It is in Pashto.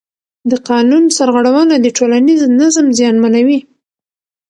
د قانون سرغړونه د ټولنیز نظم زیانمنوي